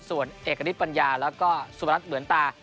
ส่วนเอกณิตปัญญาแล้วก็สุพนัทเหมือนตา